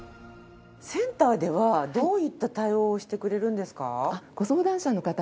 センターではどういった対応をしてくれるんですか？